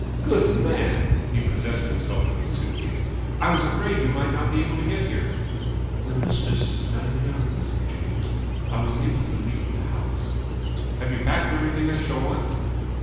"Good man!" He possessed himself of the suitcase. "I was afraid you might not be able to get here." "The mistress is dining out, Mr. James. I was able to leave the house." "Have you packed everything I shall want?"